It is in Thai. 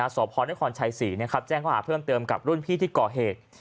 สพนครชัยศรีแจ้งข้อหาเพิ่มเติมกับรุ่นพี่ที่ก่อเหตุ